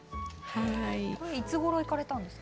これいつごろ行かれたんですか？